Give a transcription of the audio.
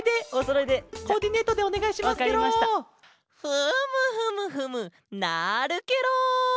フムフムフムなるケロ！